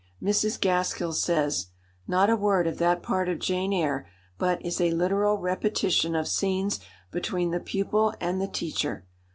Mrs. Gaskell says, "Not a word of that part of Jane Eyre but is a literal repetition of scenes between the pupil and the teacher.